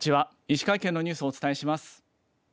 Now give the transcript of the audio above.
石川県のニュースをお伝えします。